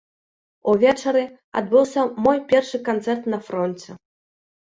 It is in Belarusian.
Увечары адбыўся мой першы канцэрт на фронце.